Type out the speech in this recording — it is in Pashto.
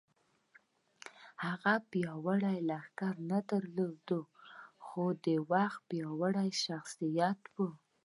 هغه پیاوړی لښکر نه درلود خو د وخت پیاوړی شخصیت و